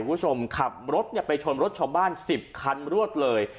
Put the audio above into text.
ผู้ชมขอบรถเนี้ยชนรถชอบบ้านสิบคันรวดเลย